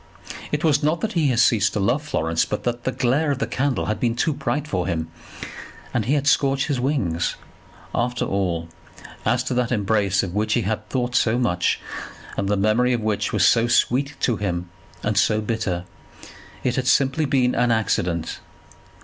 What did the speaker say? It was not that he had ceased to love Florence; but that the glare of the candle had been too bright for him and he had scorched his wings. After all, as to that embrace of which he had thought so much, and the memory of which was so sweet to him and so bitter, it had simply been an accident.